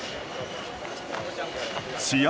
試合